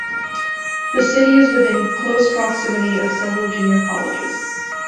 The city is within close proximity of several junior colleges.